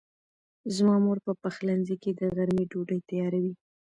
زما مور په پخلنځي کې د غرمې ډوډۍ تیاروي.